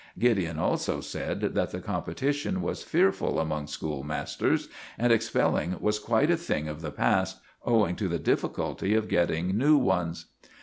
Gideon also said that the competition was fearful among school masters, and expelling was quite a thing of the past, owing to the difficulty of getting new ones.